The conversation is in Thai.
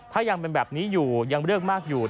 ถ้ายังเป็นแบบนี้อยู่ยังเลือกมากอยู่